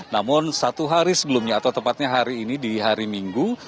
namun satu hari sebelumnya atau tepatnya hari ini di hari minggu